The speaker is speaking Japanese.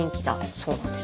そうなんです。